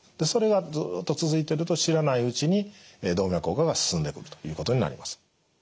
それがずっと続いていると知らないうちに動脈硬化が進んでくるということになります。